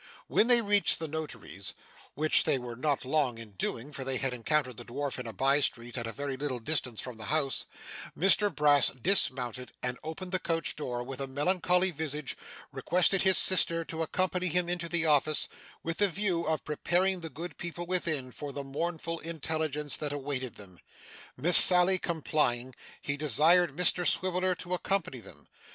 When they reached the notary's, which they were not long in doing, for they had encountered the dwarf in a bye street at a very little distance from the house, Mr Brass dismounted; and opening the coach door with a melancholy visage, requested his sister to accompany him into the office, with the view of preparing the good people within, for the mournful intelligence that awaited them. Miss Sally complying, he desired Mr Swiveller to accompany them.